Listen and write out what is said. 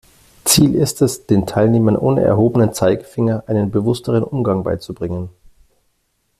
Ziel ist es, den Teilnehmern ohne erhobenen Zeigefinger einen bewussteren Umgang beizubringen.